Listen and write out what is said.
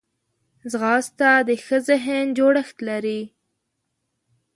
ځغاسته د ښه ذهن جوړښت لري